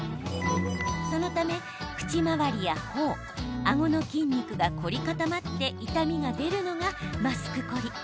そのため、口周りやほおあごの筋肉が凝り固まって痛みが出るのがマスクコリ。